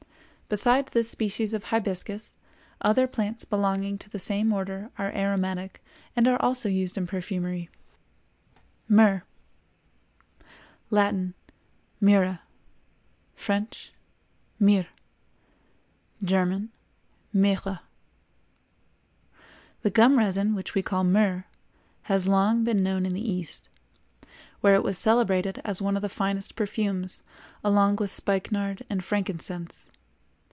Besides this species of Hibiscus, other plants belonging to the same order are aromatic and are also used in perfumery. MYRRH. Latin—Myrrha; French—Myrrhe; German—Myrrhe. The gum resin which we call myrrh has long been known in the East, where it was celebrated as one of the finest perfumes, along with spikenard and frankincense.